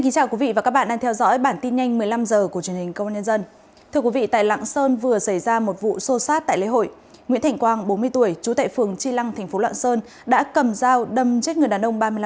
các bạn hãy đăng ký kênh để ủng hộ kênh của chúng mình nhé